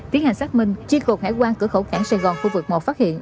tiến hành xác minh chi cục hải quan cửa khẩu cảng sài gòn khu vực một phát hiện